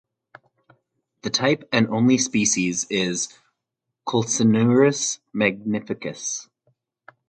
The type and only species is Khulsanurus magnificus.